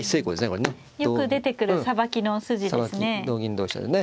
よく出てくるさばきの筋ですねこれね。